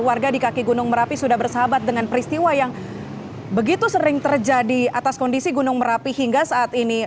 warga di kaki gunung merapi sudah bersahabat dengan peristiwa yang begitu sering terjadi atas kondisi gunung merapi hingga saat ini